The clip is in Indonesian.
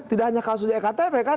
tidak hanya kasus di ektp kan